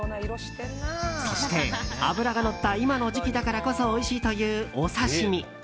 そして、脂がのった今の時期だからこそおいしいというお刺し身。